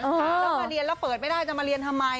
แล้วมาเรียนแล้วเปิดไม่ได้จะมาเรียนทำไม